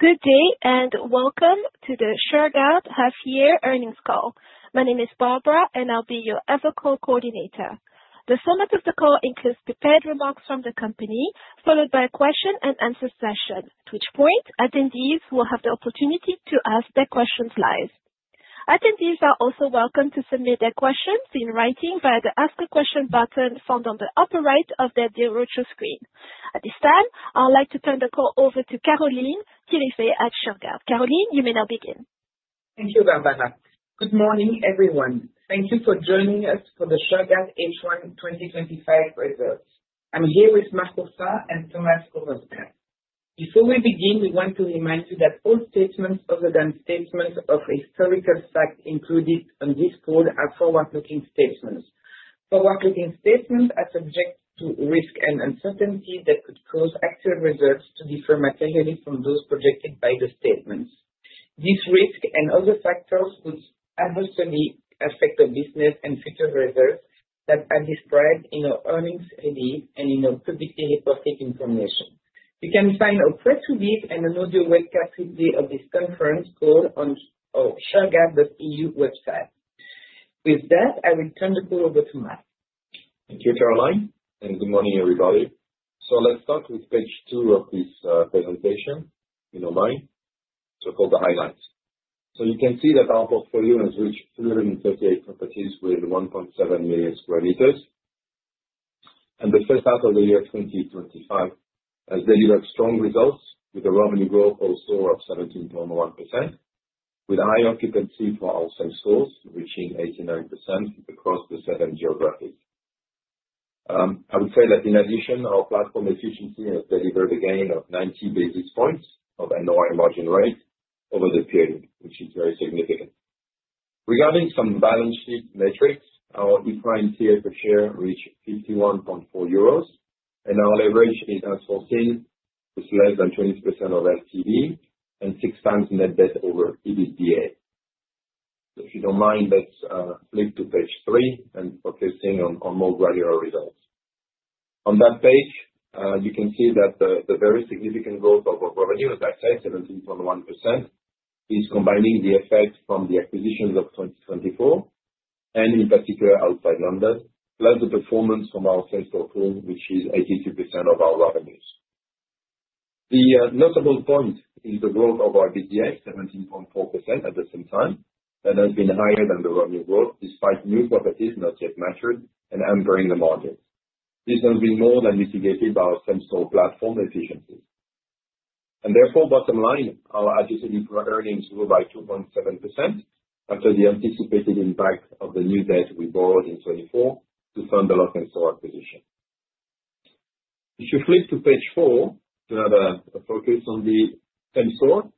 Good day and welcome to the Shurgard Half-year 2025 Earnings Call. My name is Barbara, and I'll be your event coordinator. Today's call will include prepared remarks from the company, followed by a Q&A session, where participants can Ask a Question button in the upper right corner of your screen. At this time, I'd like to turn the call over to Caroline Thirifay, Head of Investor Relations at Shurgard. Caroline, please go ahead. Thank you, Barbara, and good morning, everyone. Thank you for joining us for Shurgard Self Storage Ltd.’s April 2025 results. I’m joined today by Marc Oursin and Thomas Oversberg. Before we begin, please note that all statements made on this call, other than statements of historical fact, are forward-looking statements. These statements are subject to risks and uncertainties that could cause actual results to differ materially from those projected. Details of these risks and other factors can be found in our earnings release and public filings. You can also find our press release and an audio replay of this call on our website at Shurgard.eu. With that, I’ll now turn the call over to Marc Thank you, Caroline, and good morning, everyone. Let’s begin with page two of the online presentation the highlights. Our portfolio now includes 338 properties, totaling 1.7 million square meters. The first half of 2025 delivered strong results, with revenue growth of 17.1% and high occupancy across southern geographies, reaching 89%. Additionally, platform efficiency contributed a 90-basis-point gain in annual margin, which is very significant. Looking at our balance sheet metrics, EPRA NAV per share reached €51.4, and leverage remains below 20%, with net debt to EBITDA at six times. If you don’t mind, let’s move to page three for a more granular look at the results. On that page, you can see that the significant growth in our revenue, as I mentioned, of 17.1% combines the effects of the 2024 acquisitions, particularly those outside London, along with the performance of our core sales portfolio, which represents 82% of our revenues. A notable point is the EBITDA growth of 17.4%, which exceeds revenue growth despite some newly opened properties not yet reaching maturity and affecting margins. This impact has been mitigated by improvements in our central platform efficiency. Therefore, our adjusted earnings increased by 2.7% following the expected impact of the new debt raised in 2024 to finance the Lok'nStore Group Plc acquisition. If you move to page four, you’ll see a focus on the M4 region.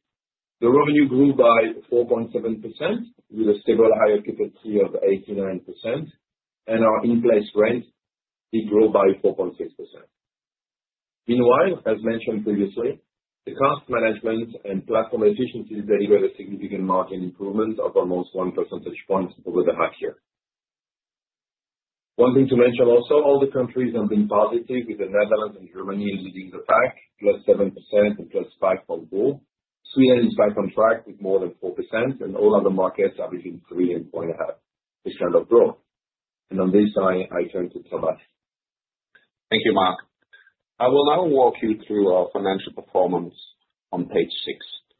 Revenue increased by 4.7%, with a stable, high occupancy rate of 89%, and in-place rent also grew by 4.6%. Meanwhile, as mentioned previously, the cost management and platform efficiencies delivered a significant margin improvement of nearly one percentage point during the first half of the year. It’s worth noting that all countries reported positive results, with the Netherlands and Germany leading at +7% and +5.4%, respectively. Sweden is back on track with growth of over 4%, while other markets posted increases between 2.5% and 3%. Thank you, Marc. I’ll now take you through our financial performance on page six,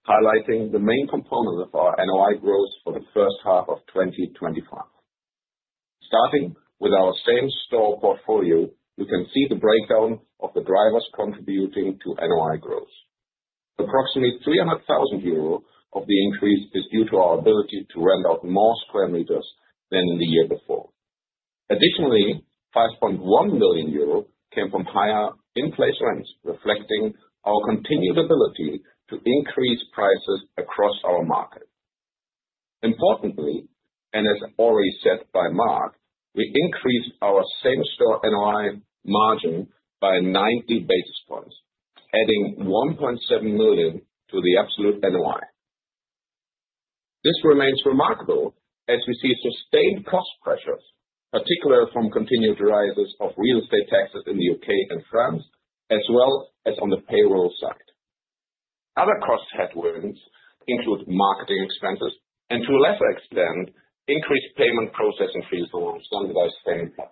focusing on the main components driving NOI growth for the first half of 2025. Starting with our same-store portfolio, you can see the breakdown of the key drivers contributing to NOI growth. Approximately €300,000 of the increase resulted from our ability to lease more square meters than last year. Additionally, €5.1 million came from higher in-place rents, reflecting our ongoing success in raising prices across our markets. Importantly, as Marc mentioned, we improved our same-store NOI margin by 90 basis points, adding €1.7 million to total NOI. This is remarkable given the continued cost pressures, particularly from rising real estate taxes in the UK and France, as well as payroll expenses. Other cost headwinds include marketing expenses and, to a lesser extent, higher payment processing fees covered by the same plan.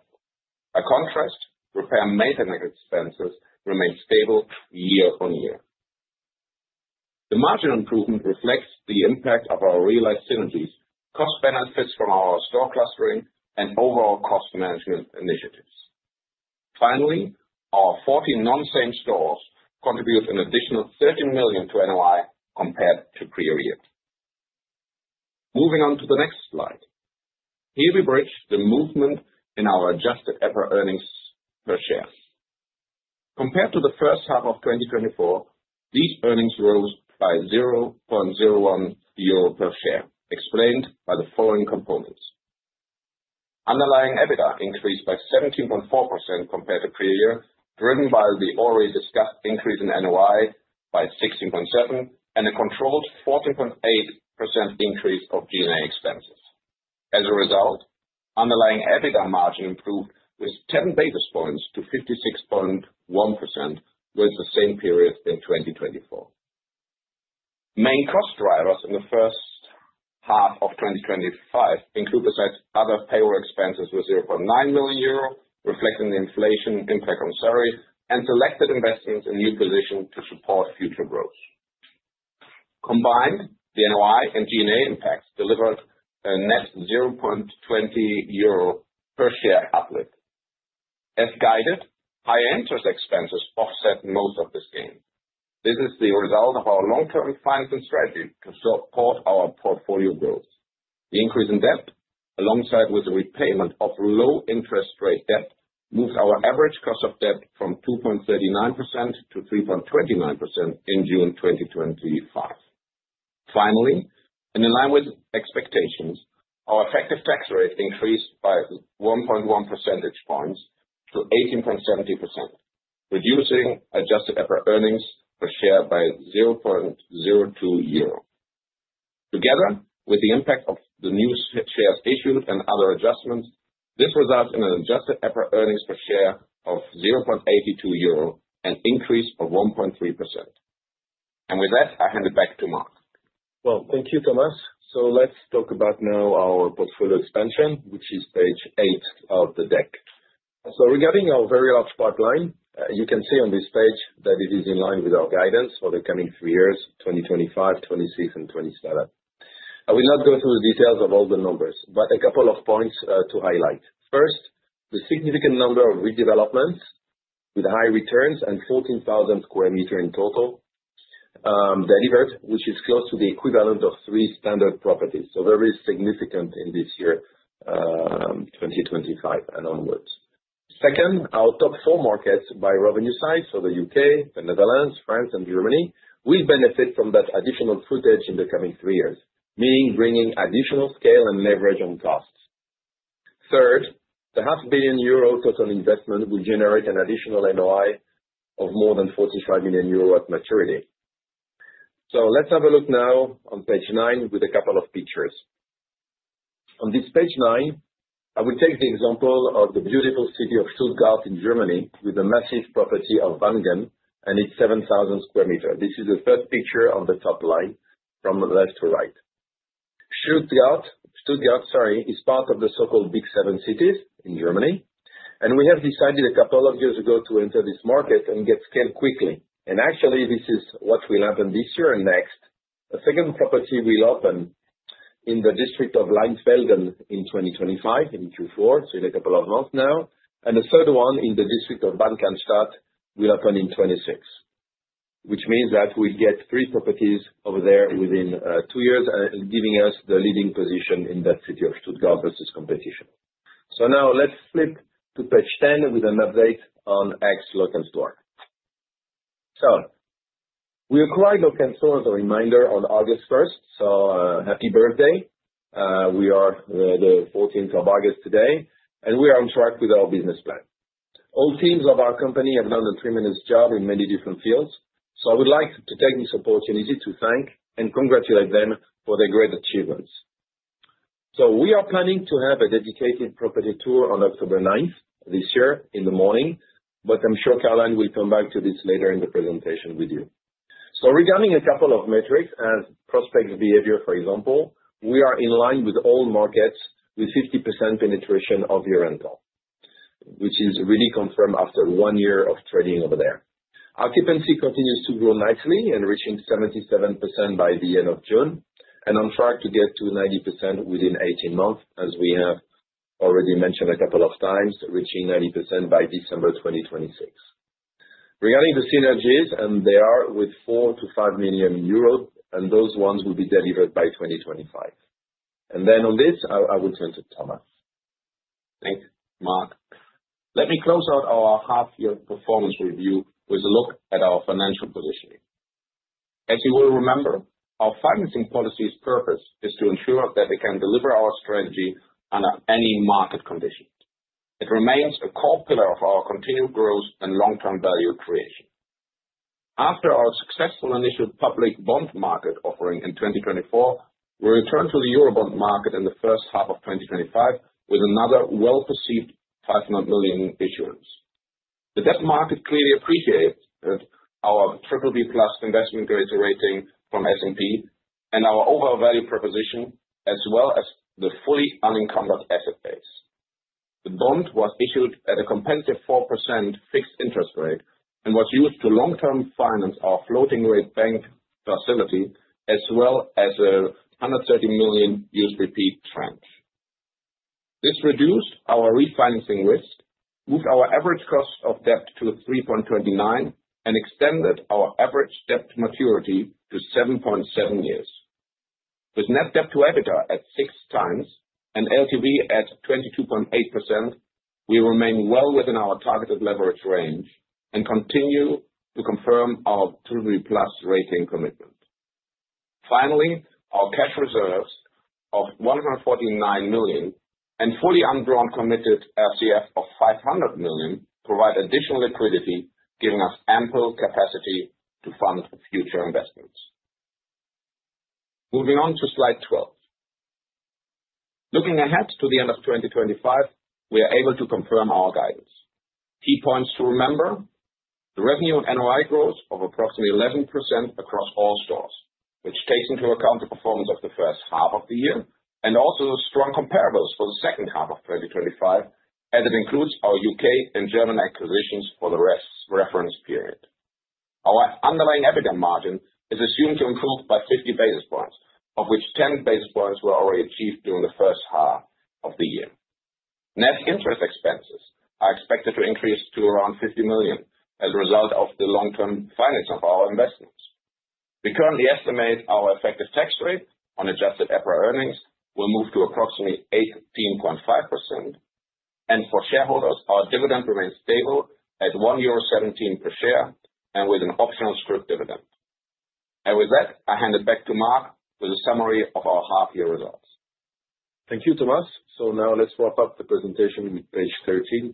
In contrast, repair and maintenance expenses remained stable year-on-year. The margin improvement reflects the impact of our realized synergies, cost benefits from store clustering, and overall cost management initiatives. Additionally, our 14 non-chain stores contributed an extra €300,000 to NOI compared to the prior year. Moving on to the next slide, we can see the bridge showing the movement in our adjusted EPA earnings per share. Compared to the first half of 2024, these earnings rose by €0.01 per share, explained by the following components. Underlying EBITDA increased by 17.4% year-on-year, driven by the previously discussed 16.7% increase in NOI and a controlled 14.8% increase in DNA expenses. As a result, the underlying EBITDA margin improved by 10 basis points to 56.1% for the same period in 2024. The main cost drivers in the first half of 2025 include other payroll expenses totaling €0.9 million, reflecting the impact of inflation on salaries and selective investments in new positions to support future growth. Combined, the NOI and DNA effects resulted in a net uplift of €0.20 per share. As guided, higher interest expenses offset most of this gain. This stems from our long-term financing strategy to support portfolio growth. The increase in debt, along with the repayment of low-interest loans, raised our average cost of debt from 2.39% to 3.29% as of June 2025. Finally, in line with expectations, our effective tax rate increased by 1.1 percentage points to 18.7%, reducing adjusted EPA earnings per share by €0.02. Together with the impact of newly issued shares and other adjustments, this results in an adjusted EPA earnings per share of €0.82, representing a 1.3% increase. With that, I'll hand it back to Marc. Thank you, Thomas. Let’s now discuss our portfolio expansion, shown on page eight of the deck. As you can see, our large pipeline remains aligned with our guidance for the next three year 2025, 2026, and 2027. I won’t go into every detail, but I’d like to highlight a few key points. First, we have a significant number of redevelopment projects with strong returns, totaling 14,000 square meters roughly the equivalent of three standard properties. This is very significant for 2025 and the years ahead. Second, our top four markets by revenue the UK, the Netherlands, France, and Germany will all benefit from this additional space over the next three years, bringing greater scale and cost leverage. Third, the half-billion-euro total investment will generate an additional NOI of more than €45 million at maturity. Let's now look at page nine, which includes a few pictures. Here, we highlight the beautiful city of Stuttgart, Germany, and the large property in Vaihingen, covering 7,000 square meters. It’s the first picture on the top row, from left to right. Stuttgart is one of the “Big Seven” cities in Germany. We decided a few years ago to enter this market and scale up quickly. That is exactly what’s happening this year and next. A second property will open in the district of Landsberg in Q4 2025, just a few months from now. The third property, in the district of Wangenstadt, will open in 2026. This means we’ll have three properties in Stuttgart within two years, giving us a leading position in that city compared to competitors. Now, let’s move to page 10 for an update on the former Lok’nStore board. We acquired Lok’nStore Group Plc on August 1 happy anniversary, by the way, as it’s August 14 today and we’re on track with our business plan. Our teams have done a tremendous job across many areas, and I’d like to take this opportunity to thank and congratulate them for their outstanding achievements. We’re planning a dedicated property tour on the morning of October 9 this year, which Caroline will discuss later in the presentation. As for a few key metrics, prospect behavior is consistent with other markets, showing about 50% penetration of online rentals which has been confirmed after one full year of operations. Occupancy continues to rise steadily, reaching 77% by the end of June, and remains on track to hit 90% within 18 months, as previously guided, by December 2026. Expected synergies are estimated at €4 million to €5 million and are set to be realized by 2025. With that, I’ll hand it over to Thomas. Thanks, Marc. Let me conclude our half-year performance review with an overview of our financial position. As you’ll recall, our financing policy is designed to ensure we can execute our strategy under any market conditions. It remains a core pillar of our continued growth and long-term value creation. Following our successful initial public bond offering in 2024, we returned to the Eurobond market in the first half of 2025 with another well-received €500 million issuance. The debt market clearly values our BBB+ investment-grade rating from S&P, our strong value proposition, and our fully unencumbered asset base. The bond was issued at a competitive 4% fixed interest rate and was used to refinance our floating-rate bank facility and a $130 million tranche on a long-term basis. This transaction reduced our refinancing risk, lowered our average cost of debt to 3.29%, and extended our average debt maturity to 7.7 years. With net debt to EBITDA at six times and LTV at 22.8%, we remain well within our targeted leverage range and continue to uphold our BBB+ rating commitment. Our cash reserves of €149 million and our fully undrawn committed revolving credit facility (RCF) of €500 million provide additional liquidity, giving us ample capacity to fund future investments. Moving on to slide 12 looking ahead to the end of 2025, we can confirm our guidance. Key points to note: revenue and NOI growth are expected to be around 11% across all stores, reflecting strong first-half performance and solid comparables for the second half of 2025, which include our UK and German acquisitions in the reference period. Our underlying EBITDA margin is expected to improve by 50 basis points, 10 of which were already achieved in the first half of the year. Net interest expenses are projected to rise to about €50 million due to the long-term financing of our investments. We currently estimate our effective tax rate on adjusted EPRA earnings will be around 18.5%. For shareholders, our dividend remains stable at €1.17 per share, with an optional scrip dividend. With that, I’ll hand it back to Marc for a summary of our half-year results. Thank you, Thomas. Now let’s wrap up the presentation with page 13.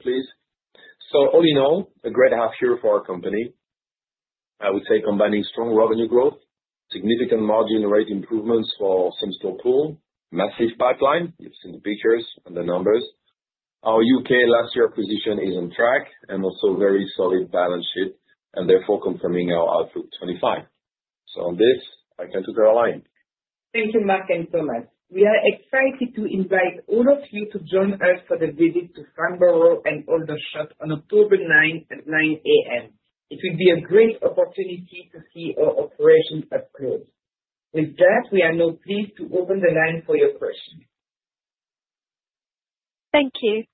Overall, it’s been a great half year for our company combining strong revenue growth, significant margin improvements from our central platform, and a substantial development pipeline, as you’ve seen in the slides. Our UK acquisition from last year remains on track, supported by a solid balance sheet, which allows us to confidently reaffirm our 2025 outlook. With that, I’ll turn it over to Caroline Thank you, Marc and Thomas. We are excited to invite all of you to join us for the visit to Farnborough and Aldershot on October 9 at 9:00 A.M. It will be a great opportunity to see our operations up close. With that, we are now pleased to open the line for your questions. Thank you.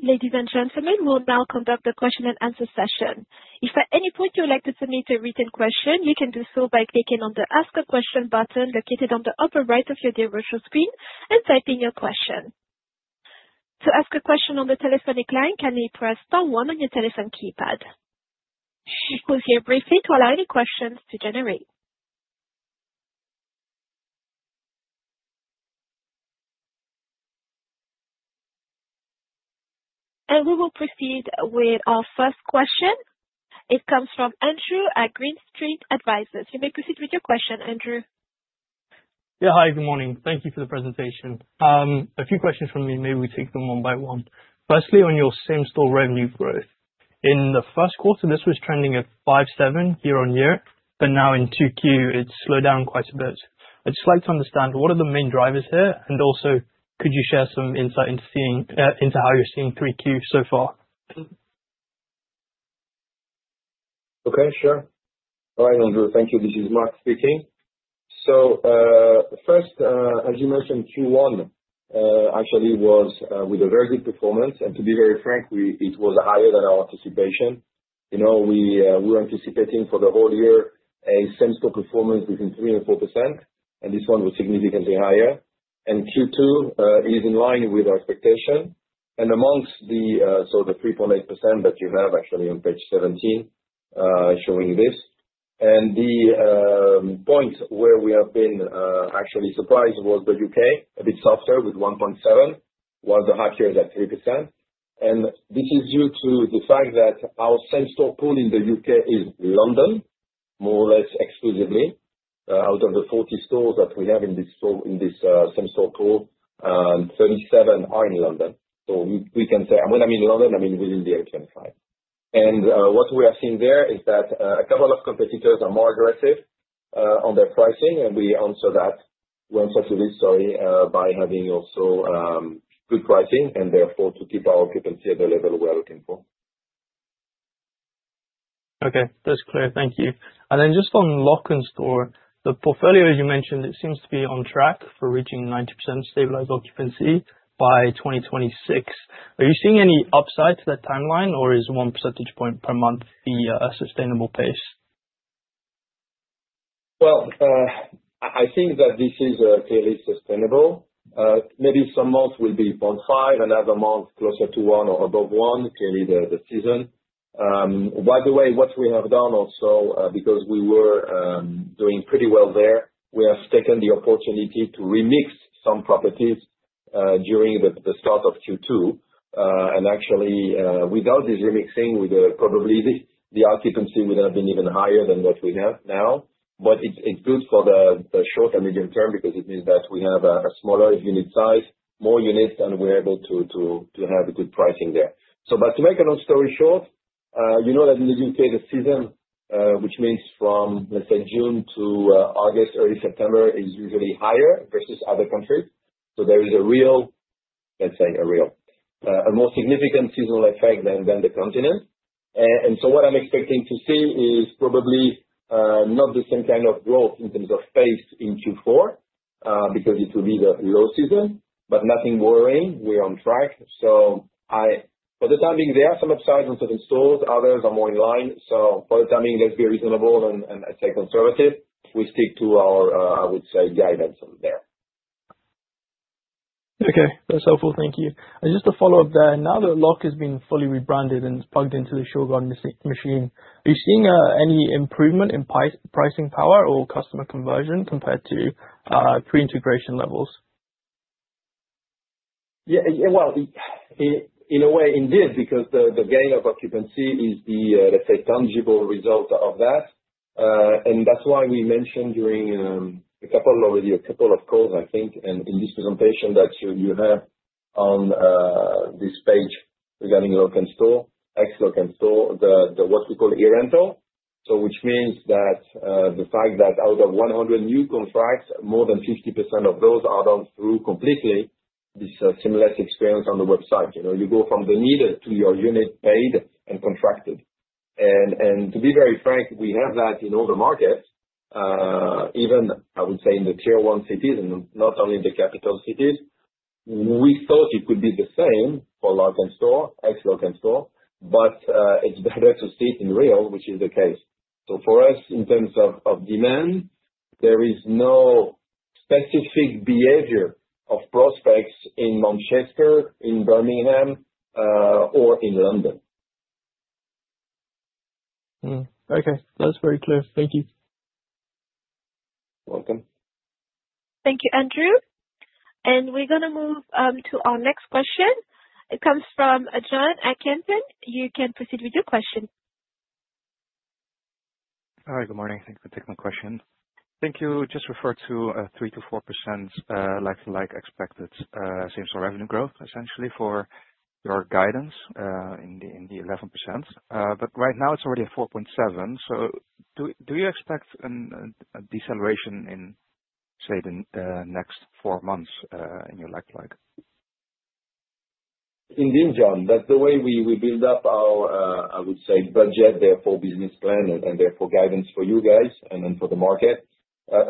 Ladies and gentlemen, we will now begin the question-and-answer session. If at any point you would like to submit a written question, please click on the “Ask a Question” button located at the upper right of your virtual screen and type your question. To ask a question via the telephonic line, press star one on your telephone keypad. We’ll pause briefly to allow questions to queue. We will now proceed with our first question from Andrew at Green Street Advisors. Andrew, you may go ahead. Hi, good morning. Thank you for the presentation. A few questions from me maybe we can take them one by one. Firstly, on your same-store revenue growth: in the first quarter, this was trending at 5.7% year on year, but now in Q2, it has slowed down quite a bit. I’d like to understand what the main drivers are, and could you also share some insight into how you’re seeing Q3 so far? Okay, sure. Thank you, Andrew. This is Marc speaking. As you mentioned, Q1 actually delivered very good performance. To be frank, it was higher than we anticipated. We had expected same-store performance for the full year to be between 3% and 4%, and Q1 was significantly higher. Q2 is in line with our expectations. Among the 3.8% figure shown on page 17, the area where we were somewhat surprised was the UK, which came in a bit softer at 1.7%, while the highest share was at 3%. This is mainly because our same-store pool in the UK is almost exclusively in London. Out of the 40 stores we have in this same-store pool, 37 are located in London specifically, within the European side of the city. What we are seeing there is that a couple of competitors are more aggressive on their pricing, and we answer that by having also good pricing and therefore to keep our occupancy at the level we're looking for. Okay, that's clear. Thank you. Just on Lok'nStore, the portfolio you mentioned, it seems to be on track for reaching 90% stabilized occupancy by 2026. Are you seeing any upside to that timeline, or is 1% per month the sustainable pace? I think that this is clearly sustainable. Maybe some months will be 0.5, another month closer to one or above one, clearly the season. By the way, what we have done also, because we were doing pretty well there, we have taken the opportunity to remix some properties during the start of Q2. Actually, without this remixing, the occupancy would have been even higher than what we have now. It's good for the short and medium term because it means that we have a smaller unit size, more units, and we're able to have a good pricing there. To make a long story short, you know that in the UK, the season, which means from, let's say, June to August, early September, is usually higher versus other countries. There is a more significant seasonal effect than the continent. What I'm expecting to see is probably not the same kind of growth in terms of space in Q4, because it will be the low season, but nothing worrying. We're on track. For the time being, there are some upsides on certain stores. Others are more in line. For the time being, let's be reasonable and I'd say conservative. We stick to our, I would say, guidance on there. Okay, that's helpful. Thank you. Just to follow up there, now that Lok'nStore has been fully rebranded and it's plugged into the Shurgard machine, are you seeing any improvement in pricing power or customer conversion compared to pre-integration levels? Yeah, in a way, indeed. The gain in occupancy is the tangible result of that. As mentioned in previous calls and in this presentation, you can see on this page regarding ex-Lok’nStore Group Plc what we call e-rental. This means that out of 100 new contracts, more than 50% are completed entirely through this seamless online experience from selecting a unit to paying and signing the contract. We see this trend across all our markets, even in tier-one cities, not just capitals. We expected it to be the same for ex-Lok’nStore Group Plc, and it’s great to see it confirmed in reality For us, in terms of demand, there is no specific behavior of prospects in Manchester, in Birmingham, or in London. Okay, that's very clear. Thank you. Welcome. Thank you, Andrew. We are going to move to our next question. It comes from John at Kempen. You can proceed with your question. Hi, good morning. Thanks for taking my question. Just referring to the 3–4% like-for-like same-store revenue growth, which is part of your 11% guidance right now it’s already at 4.7%. Do you expect a deceleration in the next four months for your like-for-like growth? Indeed, John. That’s how we build up our budget, business plan, and guidance for you and the market. Yes,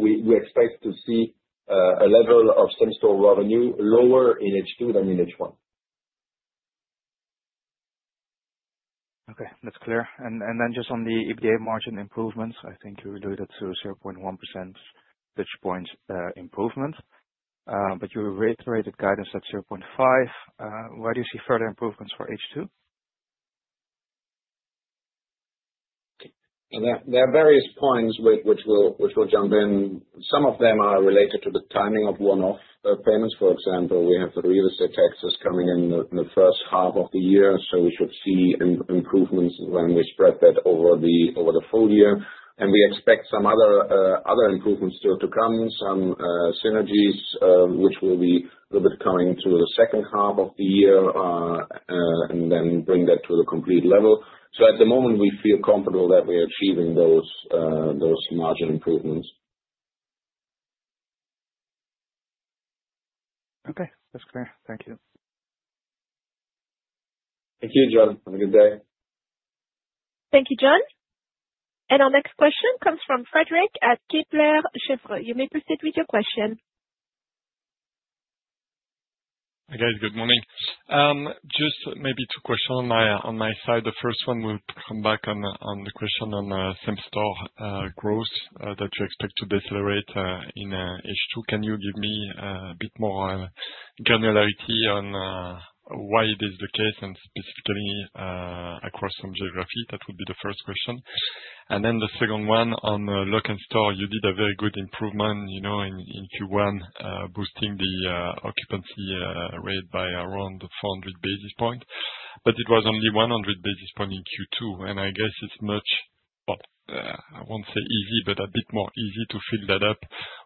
we expect the same-store revenue growth to be slightly lower in the second half compared to the first half. Okay, that's clear. Just on the EBITDA margin improvements, I think you're doing that to a 0.1% fixed point improvement. You reiterated guidance at 0.5%. Where do you see further improvements for H2? There are several factors contributing to that. Some are related to the timing of one-off payments. For instance, we had real estate taxes coming in the first half of the year, so we should see improvements when those are spread across the full year. We also expect some additional synergies to come through in the second half, bringing us to the full target level. At this point, we’re confident we’ll achieve those margin improvements. Okay, that's clear. Thank you. Thank you, John. Have a good day. Thank you, John. Our next question comes from Frederick at Kittler Chevreux. You may proceed with your question. Hi, guys. Good morning. Just maybe two questions on my side. The first one will come back on the question on the same-store growth that you expect to decelerate in H2. Can you give me a bit more granularity on why it is the case and specifically across some geography? That would be the first question. The second one on Lok'nStore, you did a very good improvement, you know, in Q1, boosting the occupancy rate by around 400 basis points. It was only 100 basis points in Q2. I guess it's much, I won't say easy, but a bit more easy to fill that up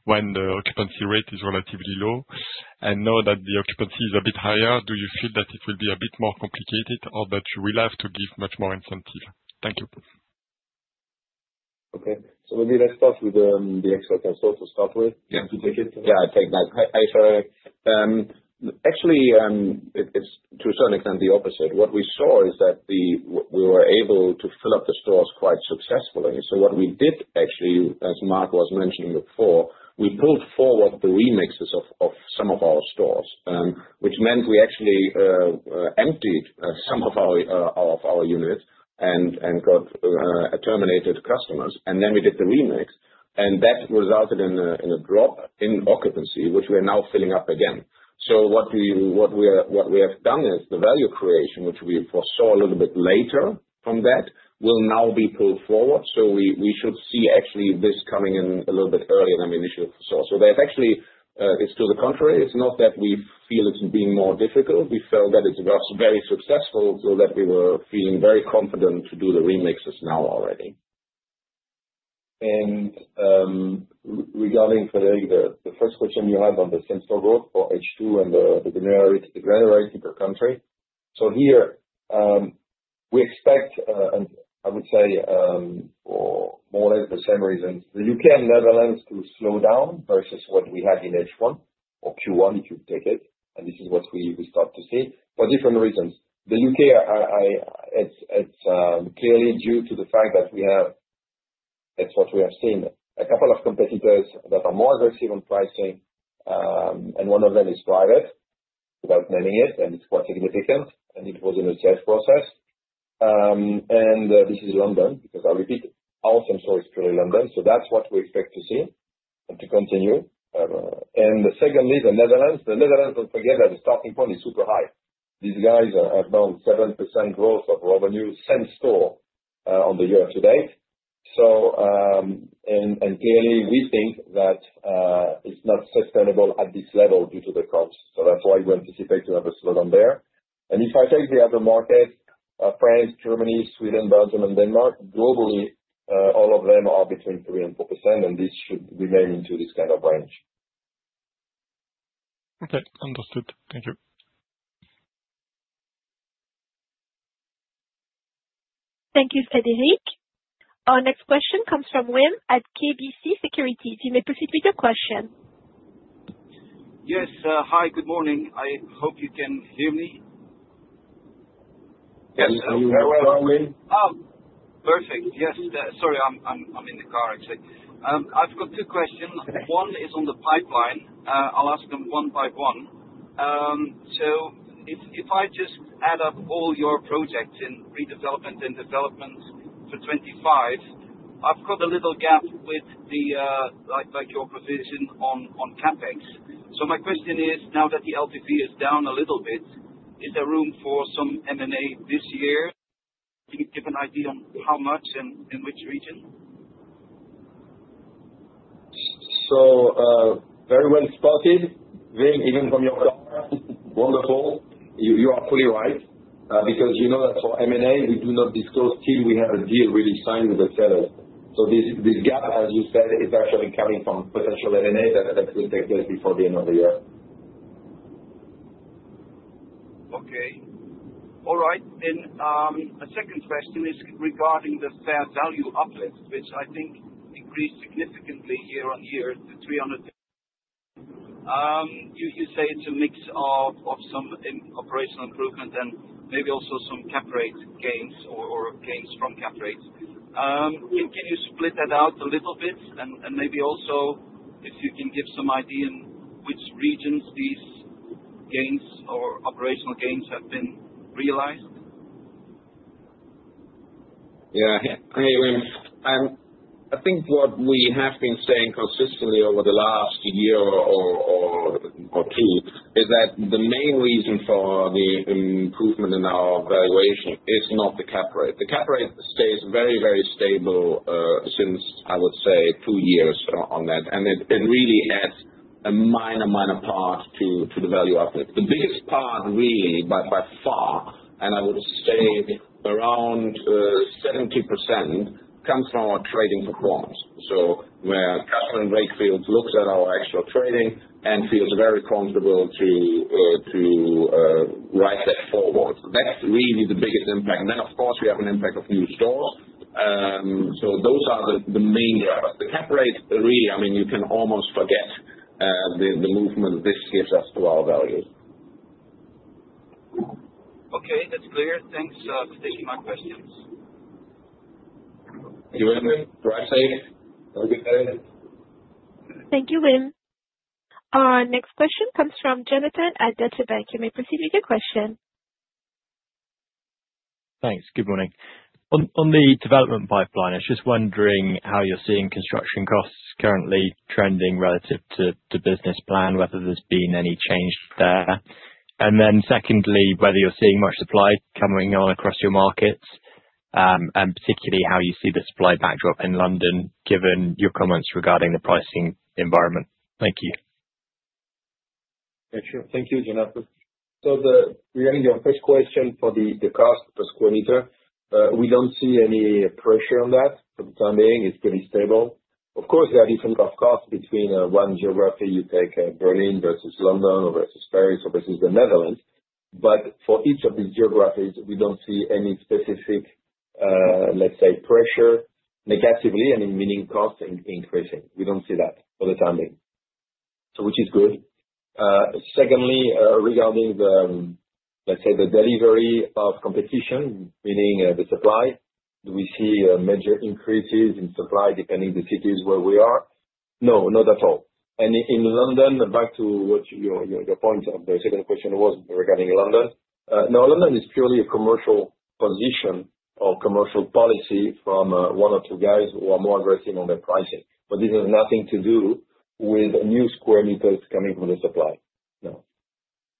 when the occupancy rate is relatively low. Now that the occupancy is a bit higher, do you feel that it will be a bit more complicated or that you will have to give much more incentive? Thank you. Okay, maybe let's start with the expert consult to start with. Would you take it? Yeah, I take that. Hi, Frederick. Actually, it's to a certain extent the opposite. What we saw is that we were able to fill up the stores quite successfully. What we did, actually, as Marc was mentioning before, we pulled forward the remixes of some of our stores, which meant we actually emptied some of our units and got terminated customers. We did the remix, and that resulted in a drop in occupancy, which we are now filling up again. What we have done is the value creation, which we foresaw a little bit later from that, will now be pulled forward. We should see this coming in a little bit earlier than we initially foresaw. That actually is to the contrary. It's not that we feel it's been more difficult. We felt that it was very successful so that we were feeling very confident to do the remixes now already. Regarding Frederick, the first question you have on the same-store growth for H2 and the granularity per country. Here, we expect, and I would say, for more or less the same reason, the UK and Netherlands to slow down versus what we had in H1 or Q1, if you take it. This is what we start to see for different reasons. The UK, it's clearly due to the fact that we have, it's what we have seen, a couple of competitors that are more aggressive on pricing. One of them is BrightEdge, without naming it, and it's quite significant. It was in a search process. This is London because I'll repeat, our same store is purely London. That's what we expect to see and to continue. The second is the Netherlands. The Netherlands, don't forget that the starting point is super high. These guys are down 7% growth of revenue same store on the year to date. Clearly, we think that it's not sustainable at this level due to the cost. That's why we anticipate to have a slowdown there. If I take the other markets, France, Germany, Sweden, Belgium, and Denmark, globally, all of them are between 3% and 4%, and this should remain into this kind of range. Okay, understood. Thank you. Thank you, Frederick. Our next question comes from Will at KBC Securities. You may proceed with your question. Yes, hi, good morning. I hope you can hear me. Yes, I can hear you very well, Will. Perfect. Yes. Sorry, I'm in the car, actually. I've got two questions. One is on the pipeline. I'll ask them one by one. If I just add up all your projects in redevelopment and development for 2025, I've got a little gap with your proposition on CapEx. My question is, now that the LTV is down a little bit, is there room for some M&A this year? Can you give an idea on how much and in which region? Very well spotted. Even from your call, wonderful. You are fully right because you know that for M&A, we do not disclose till we have a deal really signed with the seller. This gap, as you said, is actually coming from potential M&A that will take place before the end of the year. All right. A second question is regarding the fair value uplift, which I think increased significantly year on year to €300 million. You say it's a mix of some operational improvement and maybe also some gains from cap rates. Can you split that out a little bit? Also, if you can give some idea in which regions these gains or operational gains have been realized? Yeah. Hey, Will. I think what we have been saying consistently over the last year or two is that the main reason for the improvement in our valuation is not the cap rate. The cap rate stays very, very stable, since I would say two years on that. It really adds a minor, minor part to the value uplift. The biggest part really, by far, and I would say around 70% comes from our trading performance. Where Customer and Rate Fields looks at our actual trading and feels very comfortable to write that forward, that's really the biggest impact. Of course, we have an impact of new store. Those are the main gaps. The cap rate really, I mean, you can almost forget the movement this gives us to our value. Okay, that's clear. Thanks for taking my questions. Thank you, Will. Thank you, Will. Thank you, Will. Our next question comes from Jonathan at Delta Bank. You may proceed with your question. Thanks. Good morning. On the development pipeline, I was just wondering how you're seeing construction costs currently trending relative to business plan, whether there's been any change there. Secondly, whether you're seeing much supply coming on across your markets, and particularly how you see the supply backdrop in London, given your comments regarding the pricing environment. Thank you. Yeah, sure. Thank you, Jonathan. Regarding your first question for the cost per square meter, we don't see any pressure on that. For the time being, it's pretty stable. Of course, there are different costs between one geography. You take Berlin versus London or versus Paris or versus the Netherlands. For each of these geographies, we don't see any specific, let's say, pressure negatively, I mean, meaning costs increasing. We don't see that for the time being, which is good. Secondly, regarding the, let's say, the delivery of competition, meaning the supply, do we see major increases in supply depending on the cities where we are? No, not at all. In London, back to what your point of the second question was regarding London, no, London is purely a commercial position or commercial policy from one or two guys who are more aggressive on their pricing. This has nothing to do with new square meters coming from the supply. No.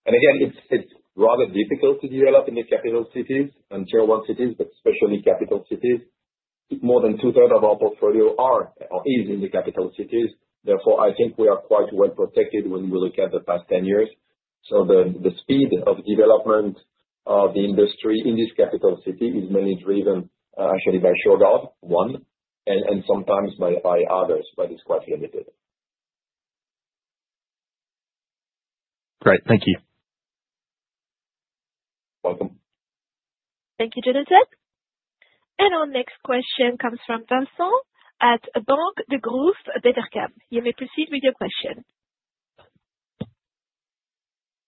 Again, it's rather difficult to develop in the capital cities and tier one cities, but especially capital cities. More than two-thirds of our portfolio is in the capital cities. Therefore, I think we are quite well protected when we look at the past 10 years. The speed of development of the industry in this capital city is mainly driven, actually, by Shurgard, one, and sometimes by others, but it's quite limited. Great. Thank you. Welcome. Thank you, Jonathan. Our next question comes from Thomson at Banque de Groof Petercam. You may proceed with your question.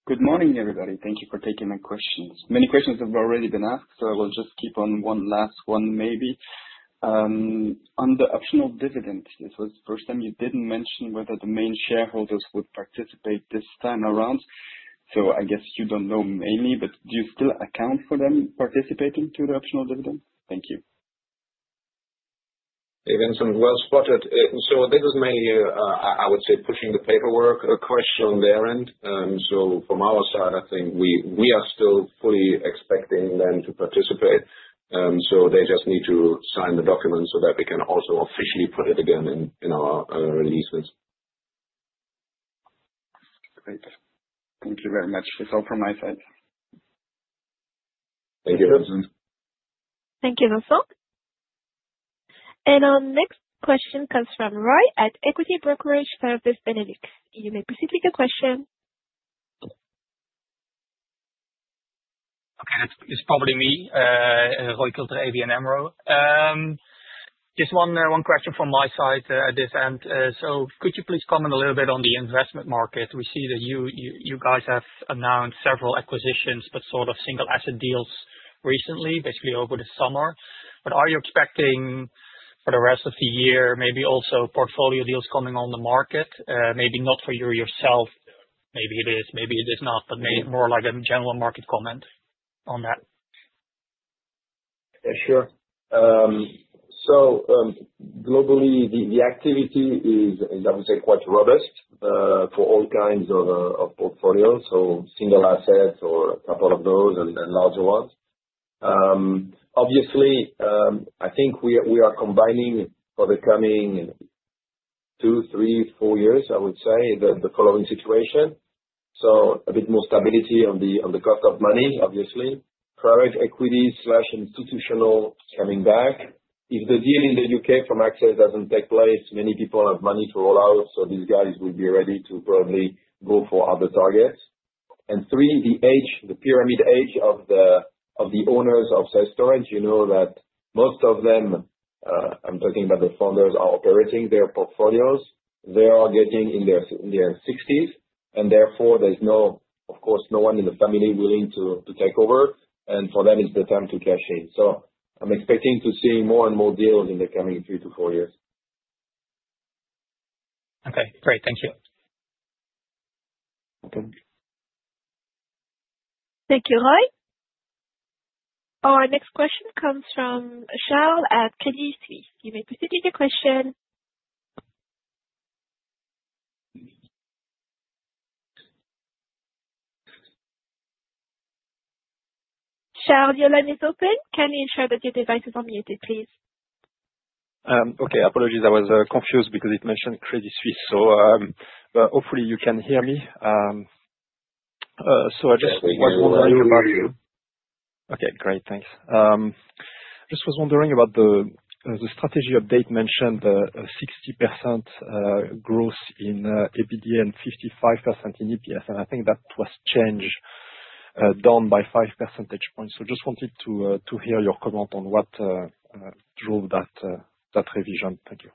Good morning, everybody. Thank you for taking my questions. Many questions have already been asked, so I will just keep on one last one, maybe. On the optional dividend, this was the first time you didn't mention whether the main shareholders would participate this time around. I guess you don't know mainly, but do you still account for them participating to the optional dividend? Thank you. It's been well spotted. This is my, I would say, pushing the paperwork question on their end. From our side, I think we are still fully expecting them to participate. They just need to sign the documents so that we can also officially put it again in our releases. Great. Thank you very much. That's all from my side. Thank you, Thomas. Thank you, Thomson. Our next question comes from Roy at Equity Brokerage Service Benedict. You may proceed with your question. Okay. It's probably me, Roy Coulter, ABN AMRO. Just one question from my side at this end. Could you please comment a little bit on the investment market? We see that you guys have announced several acquisitions, but sort of single asset deals recently, basically over the summer. Are you expecting for the rest of the year, maybe also portfolio deals coming on the market? Maybe not for you yourself. Maybe it is, maybe it is not, but maybe more like a general market comment on that. Yeah, sure. Globally, the activity is, I would say, quite robust for all kinds of portfolios, single assets or a couple of those and larger ones. Obviously, I think we are combining for the coming two, three, four years, I would say, the following situation. A bit more stability on the cost of money, obviously. Private equity/institutional is coming back. If the deal in the UK from AXA doesn't take place, many people have money to roll out, these guys would be ready to probably go for other targets. The age, the pyramid age of the owners of self-storage. You know that most of them, I'm talking about the founders, are operating their portfolios. They are getting in their 60s. Therefore, there's no one in the family willing to take over. For them, it's the time to cash in. I'm expecting to see more and more deals in the coming three to four years. Okay. Great. Thank you. Thank you, Roy. Our next question comes from Charles at Credit Suisse. You may proceed with your question. Charles, your line is open. Can you ensure that your device is unmuted, please? Okay. Apologies. I was confused because it mentioned Credit Suisse. Hopefully, you can hear me. I just was wondering. I can hear you. Okay. Great. Thanks. I just was wondering about the strategy update mentioned a 60% growth in EBITDA and 55% in EPS. I think that was changed down by five percentage points. I just wanted to hear your comment on what drove that revision. Thank you.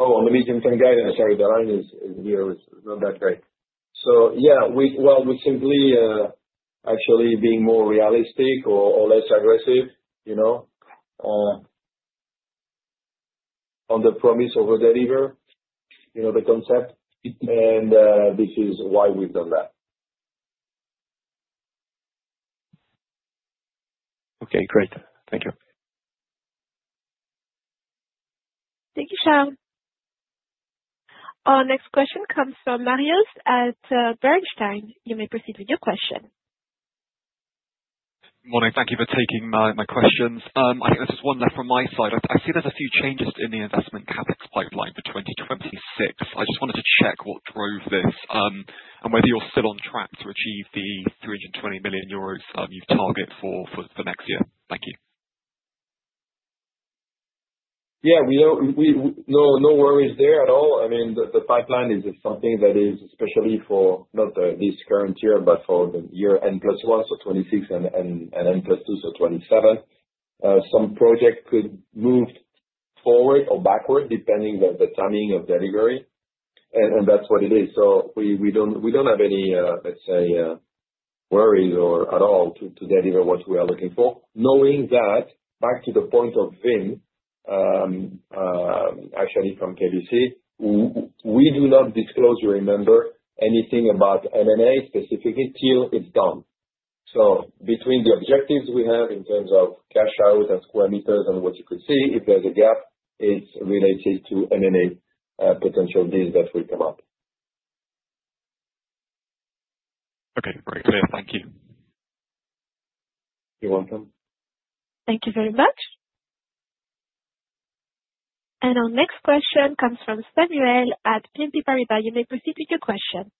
On the medium-term guidance, sorry, the line is here. It's not that great. We are simply, actually, being more realistic or less aggressive, you know, on the promise of a delivery concept. This is why we've done that. Okay. Great. Thank you. Thank you, Charles. Our next question comes from Marius at Bergstein. You may proceed with your question. Morning. Thank you for taking my questions. I just wonder from my side, I see there's a few changes in the investment CapEx pipeline for 2026. I just wanted to check what drove this and whether you're still on track to achieve the €320 million you've targeted for next year. Thank you. Yeah, we don't, no worries there at all. I mean, the pipeline is something that is especially for not this current year, but for the year N plus one, so 2026, and N plus two, so 2027. Some projects could move forward or backward depending on the timing of delivery, and that's what it is. We don't have any, let's say, worry at all to deliver what we are looking for, knowing that back to the point of Vin, actually, from KBC, we do not disclose, you remember, anything about M&A specifically till it's done. Between the objectives we have in terms of cash out and square meters and what you can see, if there's a gap, it's related to M&A potential deals that will come up. Okay. Great. Thank you. You're welcome. Thank you very much. Our next question comes from Samuel at MP Paribas. You may proceed with your question.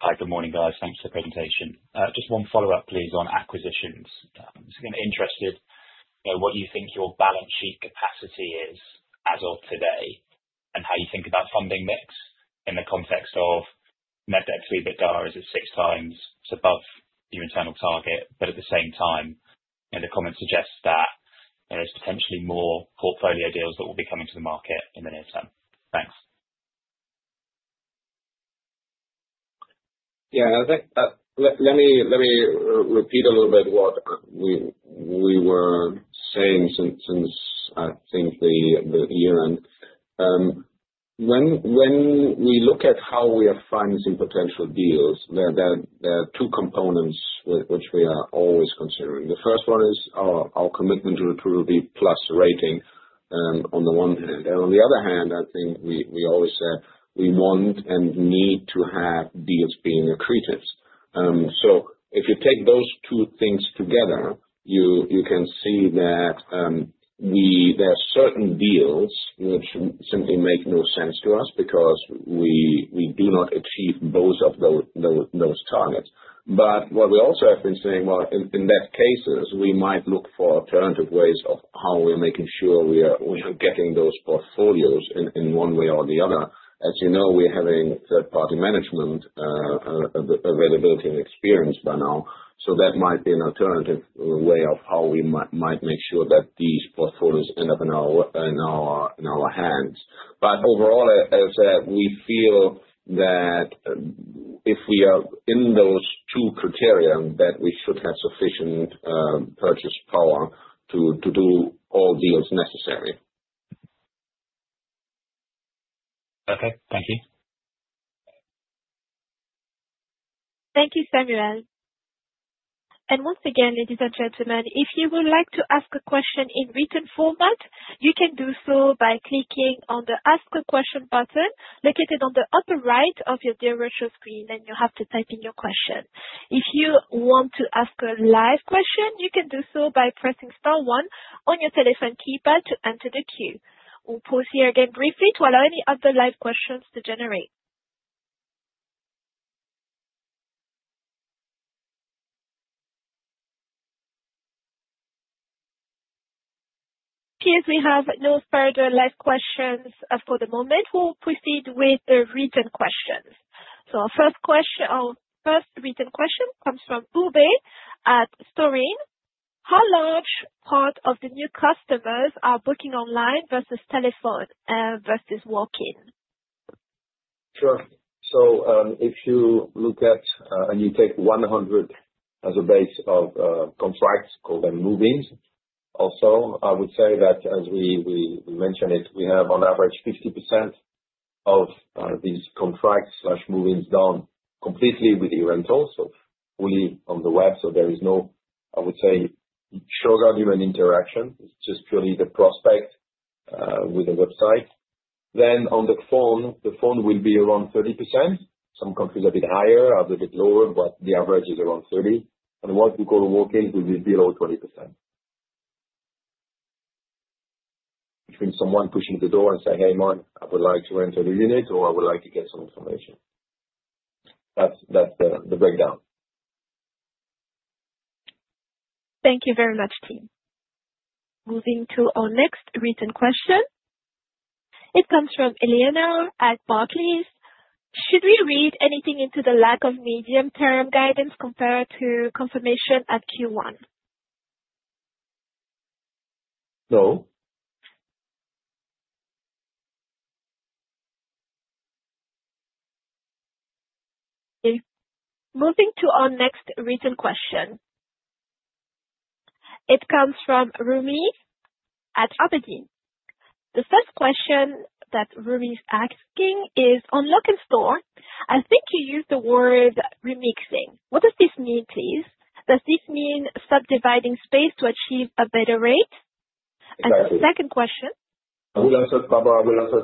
Hi, good morning, guys. Thanks for the presentation. Just one follow-up, please, on acquisitions. I was interested in what you think your balance sheet capacity is as of today and how you think about funding mix in the context of net debt to EBITDA is six times above your internal target. At the same time, the comment suggests that there's potentially more portfolio deals that will be coming to the market in the near term. Thanks. Yeah, I think let me repeat a little bit what we were saying since, since I think the year end. When we look at how we are financing potential deals, there are two components which we are always considering. The first one is our commitment to the approved BBB+ rating, on the one hand. On the other hand, I think we always said we want and need to have deals being accretive. If you take those two things together, you can see that there are certain deals which simply make no sense to us because we do not achieve both of those targets. What we also have been saying, in that case, we might look for alternative ways of how we're making sure we are getting those portfolios in one way or the other. As you know, we're having third-party management, availability and experience by now. That might be an alternative way of how we might make sure that these portfolios end up in our hands. Overall, as I said, we feel that if we are in those two criteria, we should have sufficient purchase power to do all deals necessary. Okay, thank you. Thank you, Samuel. Once again, ladies and gentlemen, if you would like to ask a question in written format, you can do so by clicking on the Ask a Question button located on the upper right of your virtual screen, and you have to type in your question. If you want to ask a live question, you can do so by pressing star one on your telephone keypad to enter the queue. We'll pause here again briefly to allow any other live questions to generate. If we have no further live questions for the moment, we'll proceed with the written questions. Our first written question comes from Ube at Storeen. How large part of the new customers are booking online versus telephone versus walk-in? Sure. If you look at, and you take 100 as a base of contracts, call them move-ins. Also, I would say that, as we mentioned it, we have on average 50% of these contracts or move-ins done completely with e-rental, so fully on the web. There is no, I would say, shorter human interaction. It's just purely the prospect with the website. The phone will be around 30%. Some countries are a bit higher, others a bit lower, but the average is around 30%. Once we call them walk-ins, we will be below 20%. Between someone pushing the door and saying, "Hey, Marc, I would like to enter this unit," or, "I would like to get some information." That's the breakdown. Thank you very much, team. Moving to our next written question. It comes from Eleanor at Barclays. Should we read anything into the lack of medium-term guidance compared to confirmation at Q1? No. Okay. Moving to our next written question. It comes from Rumi at Aberdeen. The first question that Rumi is asking is, on Lok'nStore, I think you used the word remixing. What does this mean, please? Does this mean subdividing space to achieve a better rate? The second question? I'm going to answer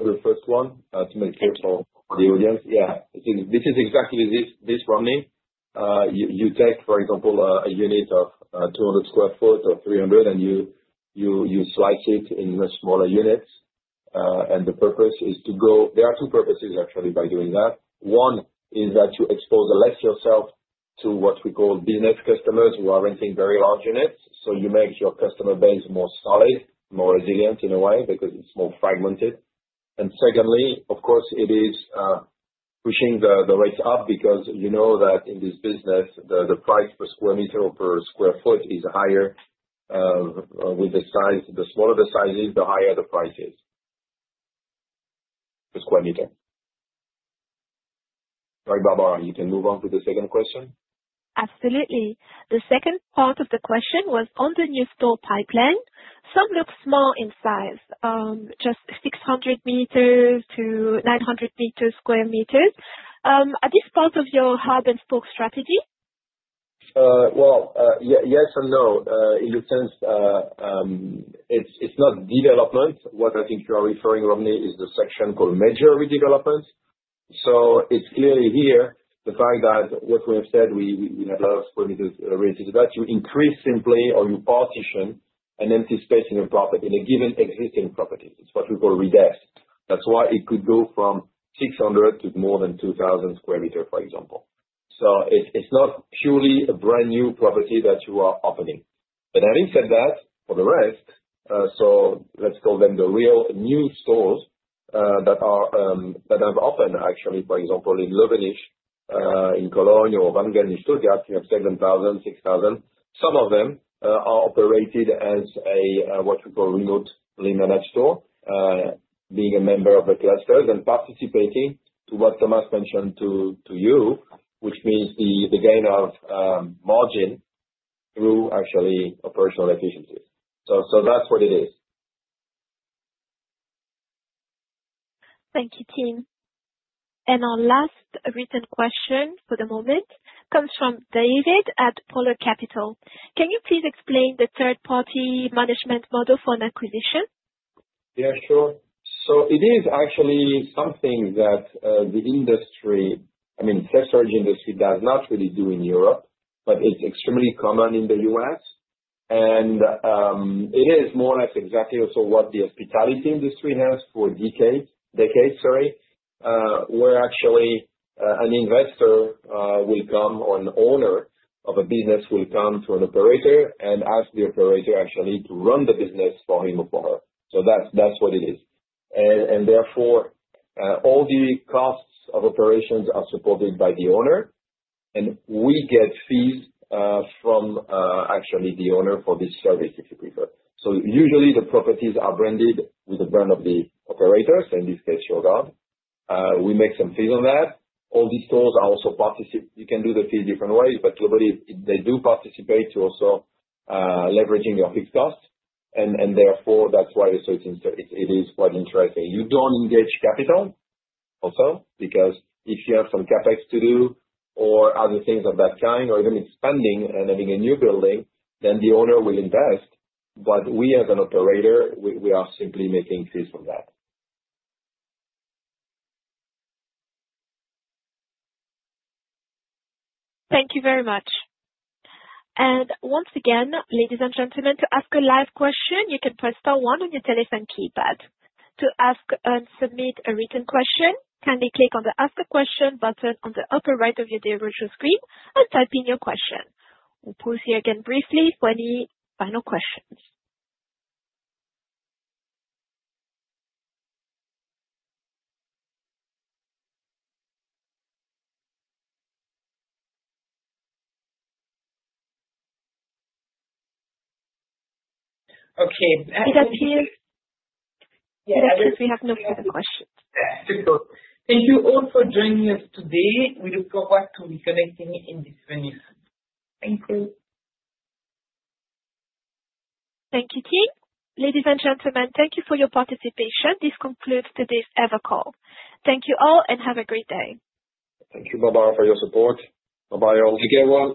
the first one to make clear for the audience. Yeah. This is exactly this running. You take, for example, a unit of 200 square foot or 300, and you slice it in much smaller units. The purpose is to go, there are two purposes actually by doing that. One is that you expose less yourself to what we call business customers who are renting very large units. You make your customer base more solid, more resilient in a way because it's more fragmented. Secondly, of course, it is pushing the rates up because you know that in this business, the price per square meter or per square foot is higher. The smaller the size is, the higher the price is per square meter. Sorry, Barbara, you can move on to the second question? Absolutely. The second part of the question was on the new store pipeline. Some look small in size, just 600 to 900 square meters. Are these parts of your hub and spoke strategy? Yes and no. In the sense, it's not development. What I think you are referring, Romney, is the section called major redevelopment. It's clearly here the fact that what we have said, we have a lot of square meters related to that. You increase simply or you partition an empty space in a given existing property. It's what we call redesc. That's why it could go from 600 to more than 2,000 square meters, for example. It's not purely a brand new property that you are opening. Having said that, for the rest, let's call them the real new stores that are, that have opened, actually, for example, in Löwenich, in Cologne, or Wangen in Stuttgart, you have 7,000, 6,000. Some of them are operated as what we call remotely managed store, being a member of the clusters and participating to what Thomas mentioned to you, which means the gain of margin through actually operational efficiency. That's what it is. Thank you, team. Our last written question for the moment comes from David at Polar Capital. Can you please explain the third-party management model for an acquisition? Yeah, sure. It is actually something that the industry, I mean, the self-storage industry, does not really do in Europe, but it's extremely common in the U.S. It is more or less exactly also what the hospitality industry has for decades, where actually an investor will come or an owner of a business will come to an operator and ask the operator to run the business for him or for her. That's what it is. Therefore, all the costs of operations are supported by the owner, and we get fees from the owner for this service, if you prefer. Usually, the properties are branded with the brand of the operators, in this case, Shurgard. We make some fees on that. All these stores are also participating. You can do the fees different ways, but globally, they do participate to also leveraging your fixed costs. Therefore, that's why it is quite interesting. You don't engage capital also because if you have some CapEx to do or other things of that kind, or even expanding and having a new building, then the owner will invest. We as an operator are simply making fees from that. Thank you very much. Once again, ladies and gentlemen, to ask a live question, you can press star one on your telephone keypad. To ask and submit a written question, kindly click on the Ask a Question button on the upper right of your virtual screen and type in your question. We'll pause here again briefly for any final questions. Okay. It appears. Yes. Since we have no further questions. Yes, it's pretty good. Thank you all for joining us today. We look forward to reconnecting in this venue. Thank you. Thank you, team. Ladies and gentlemen, thank you for your participation. This concludes today's EVA call. Thank you all and have a great day. Thank you, Barbara, for your support. Bye-bye, all. Take care, all.